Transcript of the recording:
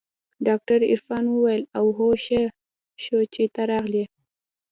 ډاکتر عرفان وويل اوهو ښه شو چې ته راغلې.